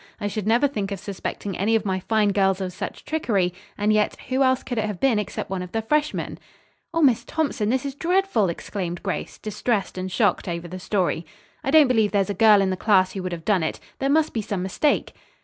I should never think of suspecting any of my fine girls of such trickery; and, yet, who else could it have been except one of the freshmen?" "Oh, Miss Thompson, this is dreadful," exclaimed Grace, distressed and shocked over the story. "I don't believe there's a girl in the class who would have done it. There must be some mistake."